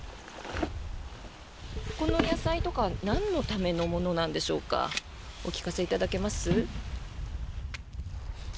この野菜とかはなんのためのものなんでしょうかお聞かせいただけます？